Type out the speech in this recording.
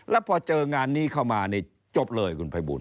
แล้วพอเจองานนี้เข้ามานี่จบเลยคุณภัยบุญ